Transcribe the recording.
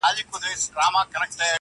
در جارېږم مقدسي له رِضوانه ښایسته یې,